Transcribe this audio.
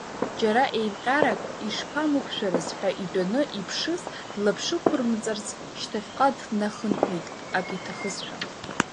Џьара еимҟьарак ишԥамықәшәарыз ҳәа итәаны иԥшыз длаԥшықәрымҵарц, шьҭахьҟа днахынҳәит, ак иҭахызшәа.